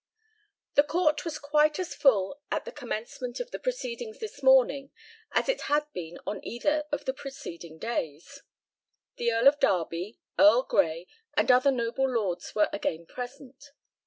The court was quite as full at the commencement of the proceedings this morning as it had been on either of the preceding days. The Earl of Derby, Earl Grey, and other noble lords were again present.